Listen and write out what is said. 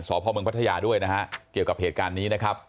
พ่อเมืองพัทยาด้วยนะฮะเกี่ยวกับเหตุการณ์นี้นะครับ